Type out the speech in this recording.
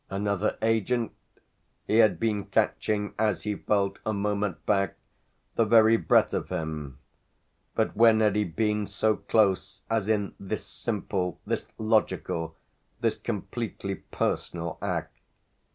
Another agent? he had been catching, as he felt, a moment back, the very breath of him; but when had he been so close as in this simple, this logical, this completely personal act?